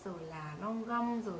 rồi là long gom